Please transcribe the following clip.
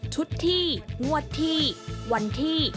ชุดที่งวดที่วันที่